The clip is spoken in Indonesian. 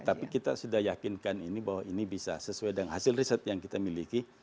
tapi kita sudah yakinkan ini bahwa ini bisa sesuai dengan hasil riset yang kita miliki